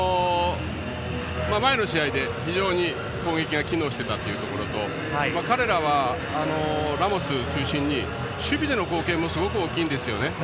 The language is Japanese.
前の試合で非常に攻撃が機能していたというところと彼らは、ラモス中心に守備での貢献もすごく大きいんですよね。